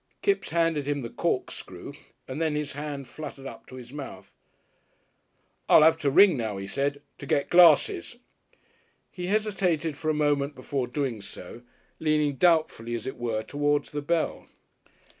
Kipps handed him the corkscrew and then his hand fluttered up to his mouth. "I'll have to ring now," he said, "to get glasses." He hesitated for a moment before doing so, leaning doubtfully as it were towards the bell.